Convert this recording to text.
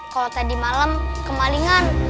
kalau tadi malam kemalingan